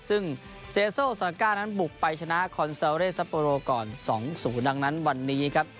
ซึ่งเซโซสันก้านั้นบุกไปชนะซัปโปรโลก่อนสองศูนย์ดังนั้นวันนี้ครับ